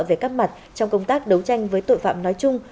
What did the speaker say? về các mặt trong công tác đấu tranh với tội phạm nói chung